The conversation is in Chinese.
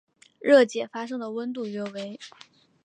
热解发生的温度约为。